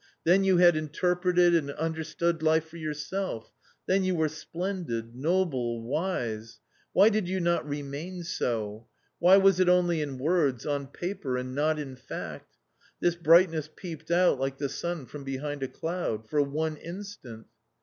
Then you had inter preted and understood life for yourself; then you were splendid, noble, wise Why did you not remain so ?" Why was it only in words, on paper, and not in fact ? This brightness peeped out like the sun from behind a cloud — for one instant."